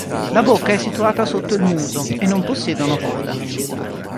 La bocca è situata sotto il muso, e non possiedono coda.